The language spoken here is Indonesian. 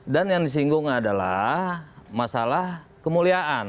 dan yang disinggung adalah masalah kemuliaan